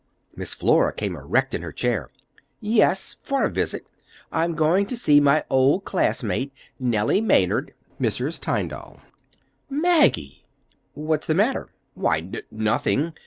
Miss Flora came erect in her chair. "Yes, for a visit. I'm going to see my old classmate, Nellie Maynard—Mrs. Tyndall." "Maggie!" "What's the matter?" "Why, n nothing.